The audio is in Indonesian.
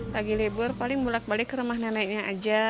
pagi libur paling mulak balik ke rumah neneknya aja